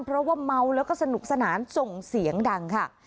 เพราะว่าเมาแล้วก็สนุกสนานส่งเสียงดังค่ะ